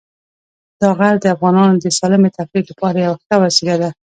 دا غر د افغانانو د سالمې تفریح لپاره یوه ښه وسیله ده.